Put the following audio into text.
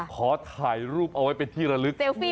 ขอถ่ายรูปเอาไว้เป็นที่ระลึก